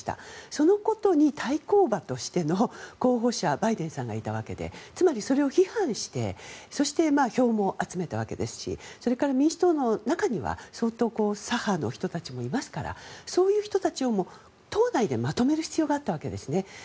そのことに対抗馬としての候補者としてバイデンさんがいたわけでつまり、それを批判してそして票も集めたわけですしそれから民主党の中には相当、左派の人たちもいますからそういう人たちをも、党内でまとめる必要があったわけです。